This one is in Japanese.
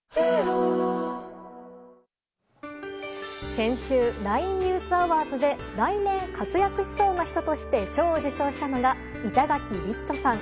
先週、ＬＩＮＥＮＥＷＳＡＷＡＲＤＳで来年活躍しそうな人として賞を受賞したのが板垣李光人さん。